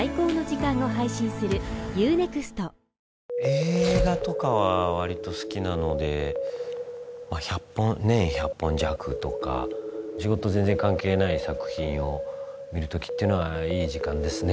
映画とかはわりと好きなのでまあ１００本年１００本弱とか仕事全然関係ない作品を見るときっていうのはいい時間ですね